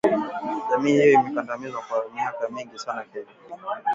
jamii hiyo imekandamizwa kwa miaka mingi sana Kenya